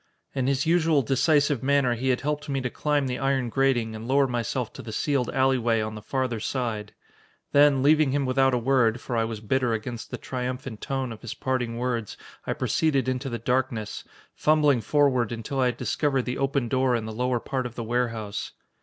In his usual decisive manner he had helped me to climb the iron grating and lower myself to the sealed alley way on the farther side. Then, leaving him without a word, for I was bitter against the triumphant tone of his parting words, I proceeded into the darkness, fumbling forward until I had discovered the open door in the lower part of the warehouse.